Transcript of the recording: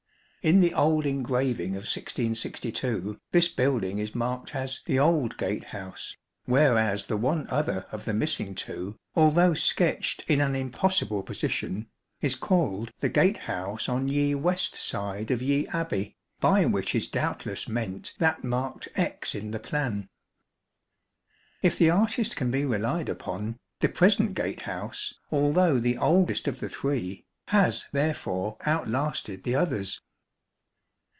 In the old engraving of 1662 this building is marked as " the old gatehouse," whereas the one other of the missing two, although sketched in an impossible position, is called " the gatehouse on ye west side of ye Abbey," by which is doubtless meant that marked X in the plan. If the artist can be relied upon, the present gatehouse, although the oldest of the three, has therefore outlasted the others.